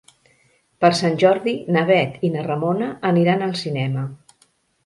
Per Sant Jordi na Bet i na Ramona aniran al cinema.